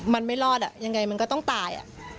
มันไม่รอดยังไงมันก็ต้องตาย